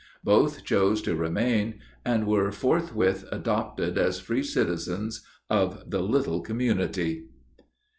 Both chose to remain, and were forthwith adopted as free citizens of the little community.